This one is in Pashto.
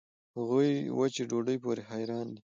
هغوي وچې ډوډوۍ پورې حېران دي.